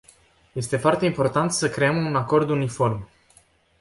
Este foarte important să creăm un acord uniform.